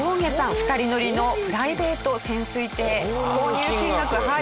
２人乗りのプライベート潜水艇購入金額はい。